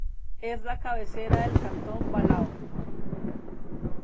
Es la cabecera del cantón Balao.